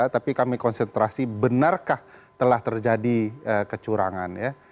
tapi kami konsentrasi benarkah telah terjadi kecurangan ya